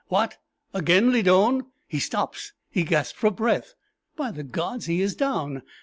What! again Lydon. He stops he gasps for breath. By the gods, he is down!